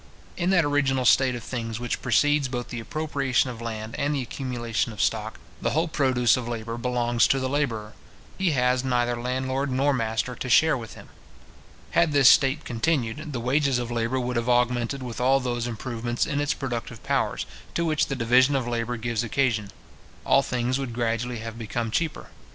In that original state of things which precedes both the appropriation of land and the accumulation of stock, the whole produce of labour belongs to the labourer. He has neither landlord nor master to share with him. Had this state continued, the wages of labour would have augmented with all those improvements in its productive powers, to which the division of labour gives occasion. All things would gradually have become cheaper.